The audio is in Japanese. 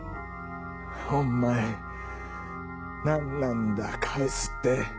お前何なんだ「返す」って。